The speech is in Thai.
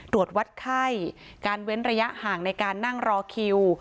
ตรวจวัดไข้การเว้นระยะห่างในการนั่งรอคิว